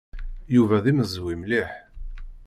Yuba d imeẓwi mliḥ.